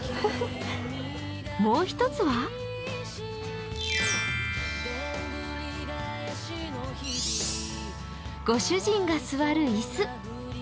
もうひとつはご主人が座る椅子。